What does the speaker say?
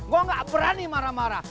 gue gak berani marah marah